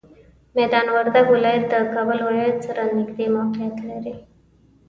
میدان وردګ ولایت د کابل ولایت سره نږدې موقعیت لري.